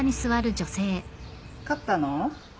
勝ったの？